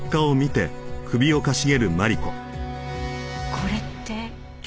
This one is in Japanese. これって。